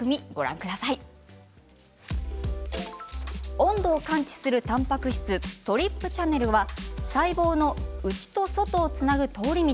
温度を感知する、たんぱく質ＴＲＰチャネルは細胞の内と外をつなぐ通り道。